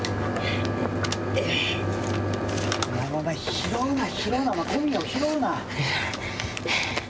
拾うな、拾うな、ごみを拾うな。